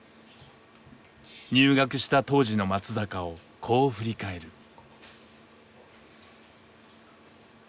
入学した当時の松坂をこう振り返る。